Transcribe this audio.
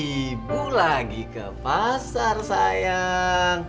ibu lagi ke pasar sayang